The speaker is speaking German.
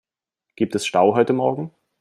Gibt es Stau heute morgen?